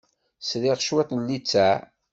Sriɣ cwiṭ n littseɛ.